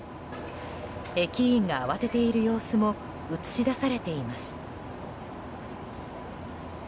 駅員が慌てている様子も映し出されています。